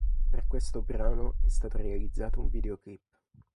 Per questo brano è stato realizzato un videoclip.